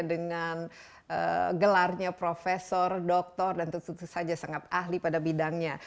dengan gelarnya profesor doktor dan tentu saja sangat ahli pada bidangnya